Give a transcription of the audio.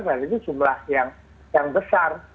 nah itu jumlah yang besar